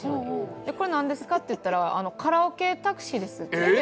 これ、何ですかって聞いたらカラオケタクシーですって。